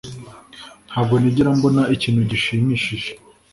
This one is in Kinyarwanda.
Ntabwo nigera mbona ikintu gishimishije